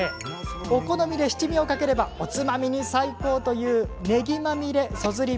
お好みで七味をかければおつまみに最高というねぎまみれそずり